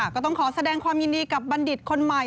ก็ต้องขอแสดงความยินดีกับบัณฑิตคนใหม่